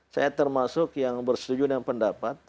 saya termasuk yang bersetujuan pendapat